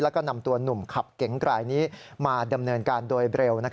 แล้วก็นำตัวหนุ่มขับเก๋งกรายนี้มาดำเนินการโดยเร็ว